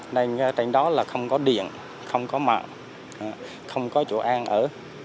nên trên đó là không có điện không có mạng không có chỗ an ở